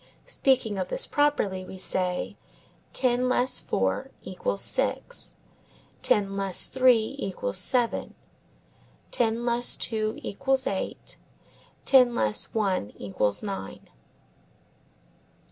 Speaking of this properly we say, ten less four equals six; ten less three equals seven; ten less two equals eight; ten less one equals nine.